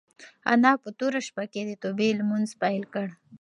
انا په توره شپه کې د توبې لمونځ پیل کړ.